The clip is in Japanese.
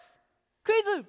クイズ！